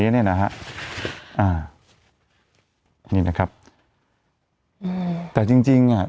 อยู่อันนี้แน่นะฮะอ่านี่นะครับอืมแต่จริงจริงอ่ะ